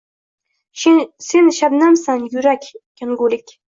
Sen shabnamsan, yurak yongulik